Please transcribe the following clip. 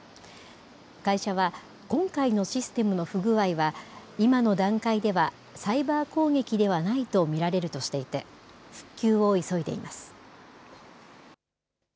会社は、今回のシステムの不具合は、今の段階ではサイバー攻撃ではないと見られるとしていて、復旧を急いでいます。